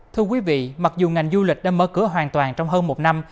thưa quý vị mặc dù ngành du lịch đã mở cửa hoàn toàn trong hơn một năm